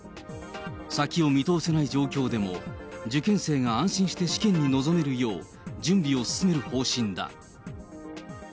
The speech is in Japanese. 先を見通せない状況でも、受験生が安心して試験に臨めるよう、準備を進める方針だ。